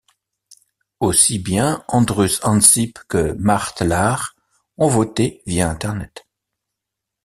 Aussi bien Andrus Ansip que Mart Laar ont voté via Internet.